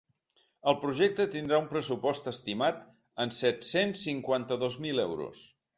El projecte tindrà un pressupost estimat en set-cents cinquanta-dos mil euros.